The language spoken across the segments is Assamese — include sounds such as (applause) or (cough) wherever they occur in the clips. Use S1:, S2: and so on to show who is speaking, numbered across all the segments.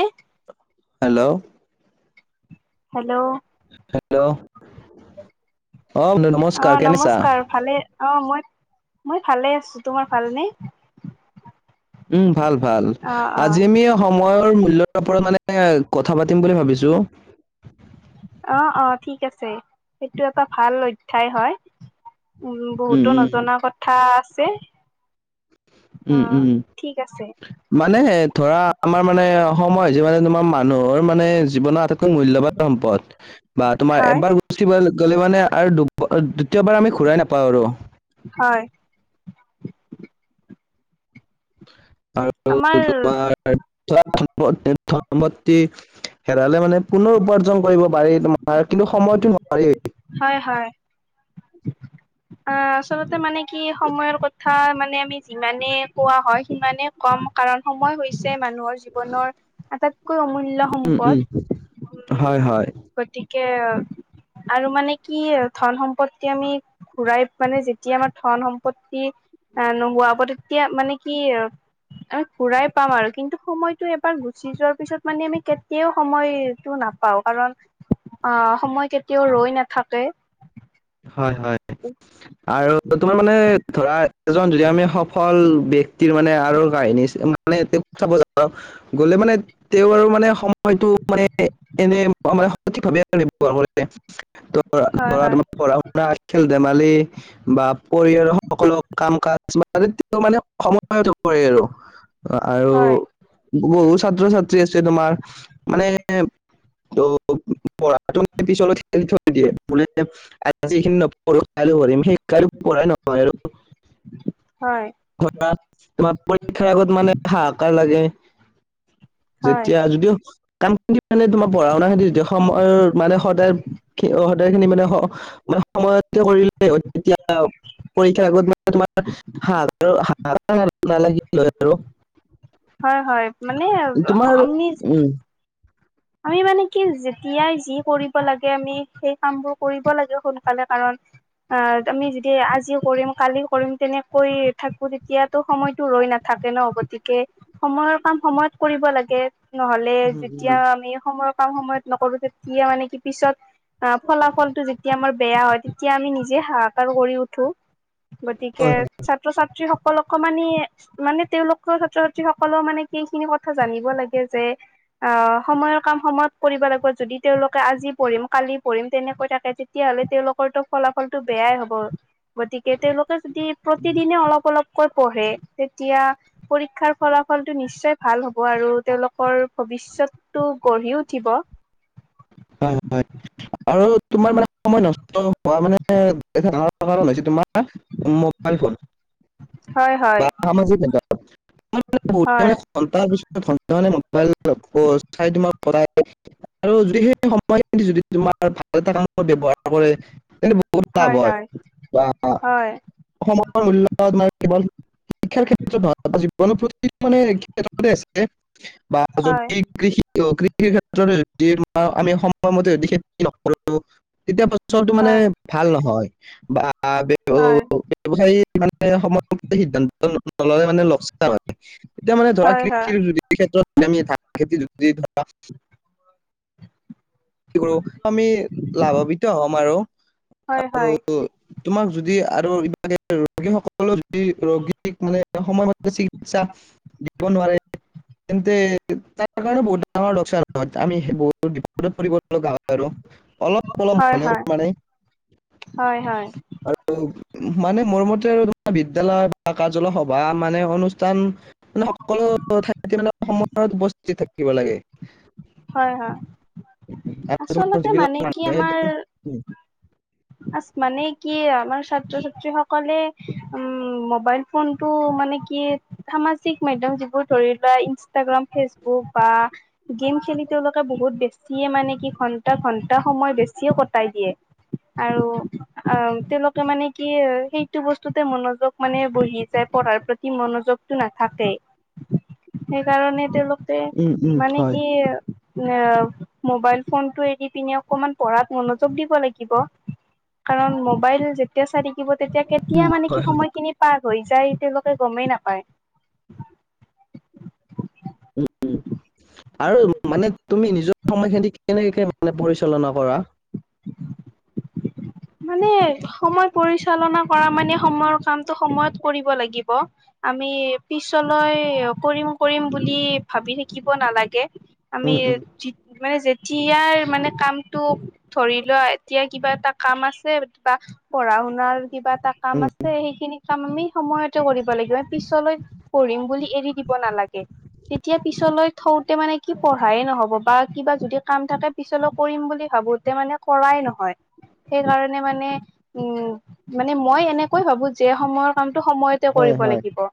S1: এ
S2: হেল্ল'
S1: হেল্ল'
S2: হেল্ল' অ বন্ধু
S1: অ
S2: নমস্কাৰ কেনে আছা
S1: নমস্কাৰ। ভালে, অ মই মই ভালে আছো। তোমাৰ ভালনে?
S2: উম ভাল ভাল।
S1: অ অ
S2: আজি আমি সময়ৰ মু- (unintelligible) ওপৰত মানে কথা পাতিম বুলি ভাবিছো
S1: অ অ ঠিক আছে সেইটো এটা ভাল অধ্যায় হয়। উম বহুতো নজনা কথা আছে। অ
S2: উম উম
S1: ঠিক আছে
S2: মানে ধৰা আমাৰ মানে সময় যে মানে তোমাৰ ম- নহৰ মানুহৰ মানে জীৱনৰ আটাইতকৈ মূল্যবান সম্পদ বা তোমাৰ
S1: হয়
S2: এবাৰ গুছি গ'ল গলে মানে আৰু দু দ্বিতীয়বাৰ আমি ঘূৰাই নাপাওঁ আৰু।
S1: হয় আমাৰ
S2: (unintelligible) হেৰালে মানে পুনৰ উপাৰ্জন কৰিব পাৰি তোমা- মাৰ কিন্তু সময়তটো নোৱাৰি
S1: হয় হয় অ আচলতে মানে কি সময়ৰ কথা মানে আমি যিমানে কোৱা হয় সিমানে কম কাৰণ সময় হৈছ- যে মানুহৰ জীৱনৰ আটাইতকৈ অমূল্য
S2: উম
S1: সম্পদ
S2: উম হয়
S1: উম
S2: হয়।
S1: গতিকে আৰু মানে কি ধন সম্পত্তি আমি ঘুৰাই মানে যেতিয়া আমাৰ ধন সম্পত্তি নোহোৱা হ'ব তেতিয়া মানে কি ঘুৰাই পাম আৰু কিন্তু সময়টো এবাৰ গুচি যোৱাৰ পিছত মানে আমি কেতিয়াও সময়টো নাপাওঁ কাৰণ অহ সময় কেতিয়াও ৰৈ নাথাকে।
S2: হয় হয় আৰু তোমাৰ মানে ধৰা এজন যদি আমি সফল ব্যক্ত- ব্যক্তিৰ মানে আৰু কাহিনী মানে চাব যাওঁ গ'লে মানে তেওঁ আৰু মানে সময়টো মানে এনে মানে সঠিকভাৱে ব্যৱহাৰ কৰিছে।
S1: হয়
S2: ধৰা
S1: হয়
S2: পঢ়া শুনা খেল ধেমালি বা পৰিয়ালৰ সকলো কাম কাজ কিছুমান তেওঁ মানে সময়ত কৰে আৰু আৰু
S1: হয়
S2: বহু ছাত্ৰ ছাত্ৰী আছে তোমাৰ। মানে ত পঢ়াটো পিছলৈ থেলি থৈ দিয়ে বোলে যিখিনি নপঢ়ো কাইলৈ পঢ়িম সেই কাইলৈ পঢ়াই নহয় আৰু।
S1: হয়
S2: (unintelligible) তোমাৰ পৰীক্ষাৰ আগত মানে হাহাকাৰ লাগে।
S1: হয়
S2: যেতিয়া যদি কামখিন মানে তোমাৰ পঢ়া শুনা খেতি যদি সময়ৰ মানে সদায় সদায় খিনি মানে সময়তে কৰিলে তেতিয়া (unintelligible)
S1: হয় হয় মানে
S2: তোমাৰ
S1: অমিজ
S2: উম
S1: আমি মানে কি যেতিয়াই যি কৰিব লাগে আমি, সেই কামবোৰ কৰিব লাগে সোনকালে কাৰণ অ আমি যদি আজি কৰিম কালি কৰিম তেনেকৈ থাকো তেতিয়াতো সময়তো ৰৈ নাথাক- থাকে ন গতিকে সময় কাম সময়ত কৰিব লাগে নহলে যেতিয়া সময়ৰ কাম সময়ত নকৰো তেতিয়া মানে কি পিছত আহ ফলাফলটো যেতিয়া আমাৰ বেয়া হয় তেতিয়া আমি নিজে হাহাকাৰ কৰি উঠো। গতিকে
S2: হয়
S1: ছাত্ৰ ছাত্ৰীসক- কলক মানিয়ে মানে তেওঁলোকৰ ছাত্ৰ ছাত্ৰীসকলেও মানে কি খিনি কথা জানিব লাগে যে অ সময়ৰ সময়ত কৰিব লাগিব যদি তেওঁলোকে আজি পঢ়িম কালি পঢ়িম তেনেকৈ থাকে তেতিয়াহ'লে তেওঁলোকতো ফল ফলাফল টো বেয়াই হ'ব। গতিকে তেওঁলোকে যদি প্ৰতিদিনে অলপ অলপকৈ পঢ়ে তেতিয়া পৰীক্ষাৰ ফলাফলটো নিশ্চয় ভাল হ'ব আৰু তেওঁলোকৰ ভৱিষ্যতটো গঢ়ি উঠিব।
S2: হয় হয় আৰু তোমাৰ মানে সময় নষ্ট হোৱা মানে এটা ডাঙৰ কাৰণ হৈছে তোমাৰ মোবাইল ফোন।
S1: হয় হয়।
S2: বা সামাজিক (unintelligible) (unintelligible)
S1: হয়
S2: সময়খিনি যদি তোমাৰ ভাল এটা কামত ব্যৱহাৰ কৰে তেন্তে বহুত লাভ হয় বা
S1: হয়
S2: অসমৰ মূল্য কেৱল শিক্ষাৰ ক্ষেত্ৰত নহয় জীৱনৰ প্ৰতি মানে (unintelligible) আছে বা
S1: হয়
S2: যদি কৃষি কৃষিৰ ক্ষেত্ৰ যদি আমি সময়মতে যদি খেতি নকৰো তেতিয়া ফচলটো মানে
S1: হয়
S2: ভাল নহয়। বা
S1: হয়
S2: ব্যৱহাৰ মানে সম সিদ্ধান্ত নললে মানে লচ হয়। তেতিয়া মানে ধৰা
S1: হয় হয়
S2: কৃষিৰ যদি ক্ষেত্ৰত আমি ধান খেতি যদি ধৰা
S1: (unintelligible)
S2: কি কৰো আমি লাভভিত হম আৰু।
S1: হয়
S2: আৰু
S1: হয়
S2: তোমাক যদি আৰু ৰোগী সকলো ৰোগীক মানে সময়মতে চিকিৎসা দিব নোৱাৰে তেন্তে তাত তাৰ কাৰণে বহুত ডাঙৰ লোকচান হয় আমি সেই বহুত বিপদ পৰিব লগা হয় আৰু। অলপ অলপ
S1: হয়
S2: হ'লেও
S1: হয়
S2: মানে
S1: হয় হয়
S2: আৰু মানে মোৰ মতে আৰু তাৰ বিদ্যালয়ৰ বা কাৰ্যালয় সভা মানে অনুষ্ঠান মানে সকলো ঠাইতে মানে সময়ত উপস্থিত থাকিব লাগে।
S1: হয় হয়
S2: আৰু তোমাৰ
S1: আচলতে
S2: যিবিলাক
S1: মানে কি
S2: মানুহে
S1: আমাৰ আজ মানে কি আমাৰ ছাত্ৰ ছাত্ৰী সকলে উম মোবাইল ফোন টো মানে কি সামাজিক মাধ্যম যিবোৰ ধৰি লোৱা ইনষ্টাগ্ৰাম, ফেচবুক বা গেম খেলি তেওঁলোকে বহুত বেছ- চিয়ে মানে কি ঘন্টা ঘণ্টা সময় বেছিও কটাই দিয়ে। আৰু অ তেওঁলোকে মানে কি সেইটো বস্তুতে মনোযোগ মানে বহি যায় পঢ়াৰ প্ৰতি মনোযোগটো নাথাকে। সেইকাৰণে তেওঁলোকে
S2: উম উম
S1: মানে
S2: হয়
S1: কি এ মোবাইল ফোনটো এৰি পিনে অকমান পঢ়াত মনোযোগ দিব লাগিব। কাৰণ মোবাইল যেতিয়া চাই থাকিব তেতিয়া কেতিয়া মানে কি
S2: হয় হয়
S1: সময়খিনি পাৰ হৈ যায় তেওঁলোকে গমেই নাপায়।
S2: উম। আৰু মানে তুমি নিজৰ সময়খিনি কেনেকে মানে পৰিচালনা কৰা
S1: (inaudible) মানে সময় পৰিচালনা কৰা মানে সময়ৰ কামটো সময়ত কৰিব লাগিব। আমি পিছলৈ কৰিম কৰিম বুলি ভাবি থাকিব নালাগে। আমি
S2: উম উম
S1: মানে যেতিয়াৰ মানে কামটো ধৰি এতিয়া কিবা এটা কাম আছে বা পঢ়া শুনাৰ কিবা এটা কাম আছে সেইখিনি কাম আমি সময়তে কৰিব লাগিব পিছলৈ পঢ়িম বুলি এৰি দিব নালাগে। তেতিয়া পিছলৈ থৌ মানে কি পঢ়াইে নহ'ব বা কিবা যদি কাম থাকে পিছলৈ কৰিম বুলি ভাবো মানে কৰাই নহয় সেইকাৰণে মানে উম মানে মই এনেকৈ ভাবো যে সময়ৰ কামটো সময়তে
S2: হয়
S1: কৰিব
S2: হয়
S1: লাগিব।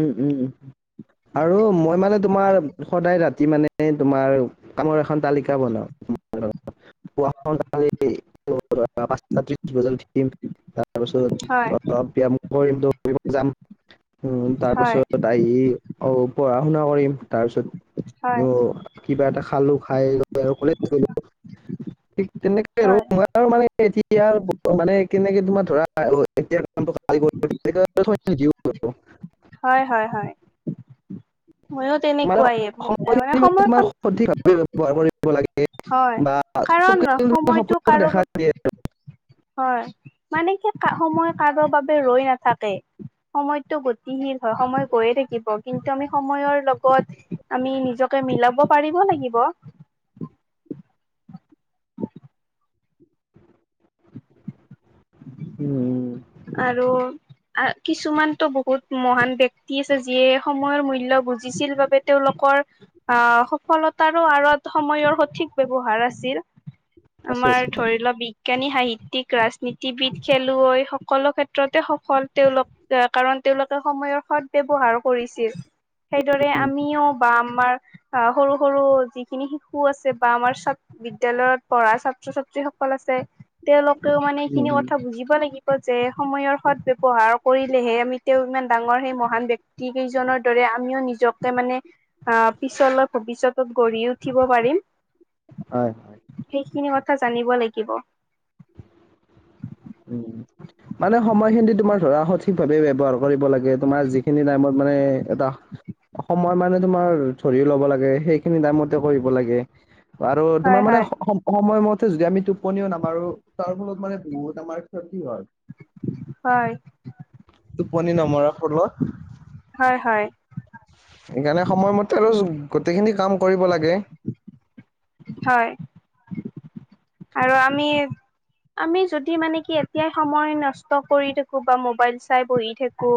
S2: উম উম আৰু মই মানে তোমাৰ সদায় ৰা- মানে তোমাৰ কামৰ এখন তালিকা বনাও পোৱা শুন কালে পাঁচটা ত্ৰিশ বজাত উঠিম। তাৰপিছত
S1: হয়
S2: অলপ ব্যয়াম কৰিম দৌৰিব যাম। উম তাৰ
S1: হয়
S2: পাছত আহি অ পঢ়া শুনা কৰিম তাৰ পিছত
S1: হয়
S2: অ কিবা এটা খালো খাই আৰু কলেজ গলোঁ তেনেকে আৰু
S1: হয়
S2: মই আৰু মানে এতিয়া মানে কেনেকে তোমাৰ ধৰা (unintelligible) অ
S1: হয় হয় হয়। ময়ো
S2: মানে
S1: তেনেকুৱাই মানে
S2: সময়খিনি
S1: সময় কাম
S2: তোমাৰ সঠিকভাৱে ব্যৱহাৰ কৰি কৰিব লাগে
S1: হয়
S2: বা
S1: কাৰণ
S2: চব
S1: সময়টো
S2: সফলতা
S1: কাৰো
S2: দেখা দিয়ে আৰু।
S1: হয় মানে কি সময় কাৰো বাবে ৰৈ নাথাকে। সময়টো গতিশীল হয়, সময় গৈয়ে থাকিব কিন্তু আমি সময়ৰ লগত আমি নিজকে মিলাব পাৰিব লাগিব।
S2: উম উ।
S1: আৰু কিছুমানতো বহুত মহান ব্যক্তি আছে যিয়ে সময়ৰ মূল্য বুজিছিল বাবে তেওঁলোকৰ আহ সফলতাৰো আঁৰত সময়ৰ স- ঠিক ব্যৱহাৰ আছিল
S2: আছে
S1: আমাৰ
S2: আছে।
S1: ধৰি লোৱা বি- বিজ্ঞানী, সাহিত্যিক, ৰাজনীতিবিদ, খেলুৱৈ সকলো ক্ষেত্ৰতে সফল তেওঁলোক আহ কাৰণ তেওঁলোকে সময়ৰ সদ ব্যৱহাৰ কৰিছিল। সেইদৰে আমিও বা আমাৰ সৰু সৰু যিখিনি শিক সু আছে বা আমাৰ বিদ্যালয়ত পঢ়া ছাত্ৰ-ছাত্ৰীসকল আছে। তেওঁলোকেও মানে
S2: উম,
S1: এইখিনি
S2: উম।
S1: কথা বুজিব লাগিব যে সময়ৰ সদ ব্যৱহাৰ কৰিলেহে আমি তেওঁ ইমান ডাঙৰ সেই মহান ব্যক্তি কেইজনৰ দৰে আমিও নিজকে মানে আহ পিছলৈ ভৱিষ্যত গঢ়ি উঠিব পাৰিম।
S2: হয় হয়।
S1: এইখিনি কথা জানিব লাগিব।
S2: উম। মানে সময়খিনি তোমাৰ ধৰা সঠিক ভাৱে ব্যৱহাৰ কৰিব লাগে তোমাৰ যিখিনি টাইমত মানে এটা সময় মানে তোমাৰ ধৰিও ল'ব লাগে সেইখিনি টাইমতে কৰিব লাগে। আৰু তোমাৰ
S1: হয়
S2: মানে
S1: হয়
S2: সময়মতে যদি আমি টোপনিও নামাৰো। তাৰ ফলত মানে বহুত আমাৰ ক্ষতি হয়।
S1: হয়
S2: টোপনি নমৰাৰ ফলত।
S1: হয় হয়।
S2: সেইকাৰণে সময়মতে আৰু গোটেইখিনি কাম কৰিব লাগে।
S1: হয় আৰু আমি আমি যদি মানে কি এতিয়াই সময় নষ্ট কৰি থাকো বা মোবাইল চাই বহি থাকো।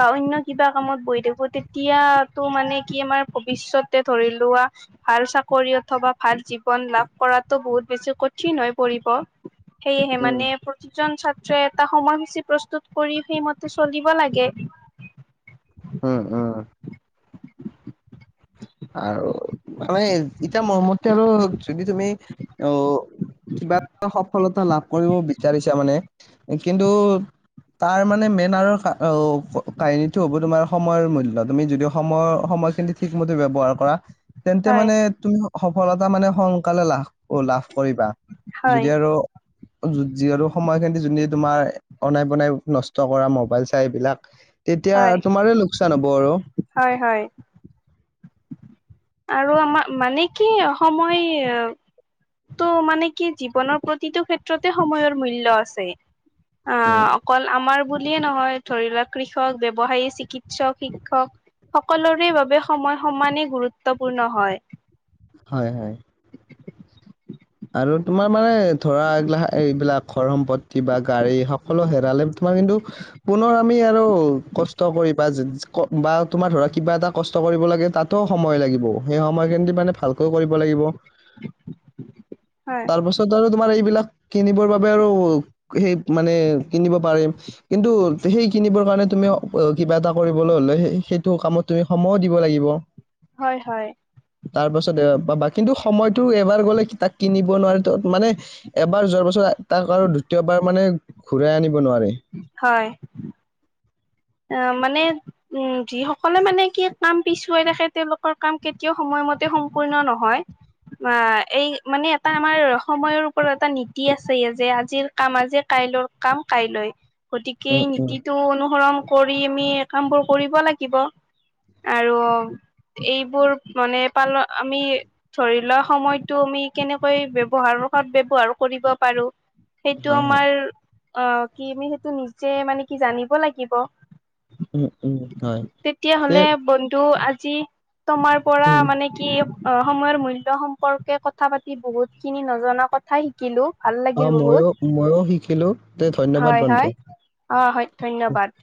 S1: বা অনন্য কিবা কামত বহি থাকো তেতিয়াটো মানে কি আমাৰ ভৱিষ্যতে ধৰি লোৱা ভাল চাকৰি অথবা ভাল জীৱন লাভ কৰাতো বহুত বেছি কঠ- ঠিন হৈ পৰিব সেয়েহে
S2: উম,
S1: মানে প্ৰতিজন ছাত- এটা সময়সূচী প্ৰস্তুত কৰি সেইমতে চলিব লাগে।
S2: উম উম। আৰু মানে ইটা মোৰ মতে আৰু যদি তুমি অ কিবা এটা সফলতা লাভ কৰিব বিচাৰিছা মানে কিন্তু তাৰ মানে মেইন আৰু কাহিনীটো হ'ব তোমাৰ সময়ৰ মূল্য তুমি যদি সময়ৰ সম- সময়খিনি ঠিকমতে ব্যয়হাৰ কৰা তেন্তে
S1: হয়,
S2: মানে তুমি সফলতা মানে সোনকালে লাভ অ লাভ কৰিবা
S1: হয়,
S2: যদি আৰু যি আৰু সময়খিনি যদি তোমাৰ অনাই বনাই নষ্ট কৰা মোবাইল চাই এইবিলাক তেতিয়া
S1: হয়,
S2: তোমাৰে লোকচান হ'ব আৰু
S1: হয়, হয় আৰু আমাৰ মানে কি সময় ত' মানে কি জীৱনৰ প্ৰতিটো ক্ষেত্ৰতে সময়ৰ মূল্য আছে। অ
S2: উম
S1: অকল আমাৰ বুলিয়ে নহয় ধৰি লোৱাক কৃষক ব্যৱসায়ী চিকিৎসক শিক্ষক সকলোৰে বাবে সময় সমানেই গুৰুত্বপূৰ্ণ হয়।
S2: হয় হয়। ধৰত আৰু তোমাৰ মানে ধৰা এইবিল এইবিলাক ঘৰ সম্পত্তি বা গাড়ী সকলো হেৰালে তোমাৰ কিন্তু পুনৰ আমি আৰু কষ্ট কৰিবা বা তোমাৰ ধৰা কিবা এটা কষ্ট কৰিব লাগে। তাতো সময় লাগিব সেই সময়খিনি মানে ভালকৈ কৰিব লাগিব।
S1: হয়
S2: তাৰপাছত আৰু তোমাৰ এইবিলাক কিনিবৰ বাবে আৰু সেই মানে কিনিব পাৰিম কিন্তু সেই কিনিবৰ কাৰণেটো তুমি কিবা এটা কৰিবলৈ হলে সেইটো কামত তুমি সময়ো দিব লাগিব।
S1: হয় হয়
S2: তাৰ পাছত পাবা কিন্তু সময়টো এবাৰ গ'লে তাক কিনিব নোৱাৰে ত মানে এবাৰ যোৱাৰ পাছত তাক আৰু দ্বিতীয়বাৰ মানে ঘূৰাই আনি- নোৱাৰে।
S1: হয় অ মানে উম যিসকলে মানে কি কাম পিছুৱাই ৰাখে তেওঁলোকৰ কাম কেতিয়াও সময় মতে সম্পূৰ্ণ নহয়। অ এই মানে এটা আমাৰ সময়ৰ ওপৰত এটা নীতি আছে যে আজিৰ কাম আজি কা- কাইলৰ কাম কাইলৈ গতিকে
S2: উম
S1: এই
S2: উম
S1: নীতিটো অনুসৰণ কৰি আমি কামবোৰ কৰিব লাগিব আৰু। এইবোৰ মানে পালন আমি ধৰি লোৱা সময়তো আমি কেনেকৈ ব্যৱহাৰ সদ ব্যৱহাৰ কৰিব পাৰোঁ। সেইটো
S2: হয় হয়
S1: আমাৰ অ কি আমি সেইটো নিজে মানে কি জানিব লাগিব।
S2: উম উম হয়
S1: তেতিয়া
S2: তে
S1: হ'লে বন্ধু আজ- যি তোমাৰ পৰা
S2: উম
S1: মানে কি অ সময়ৰ মূল্য সম্পৰ্কে কথা পাতি বহুত খিনি নজনা কথা শিকিলোঁ। ভাল
S2: অ
S1: লাগিল
S2: ময়ো ময়ো শিকিলো তে
S1: বহুত
S2: ধন্যবাদ
S1: হয়
S2: বন্ধু
S1: হয় অ হয় ধন্যবাদ।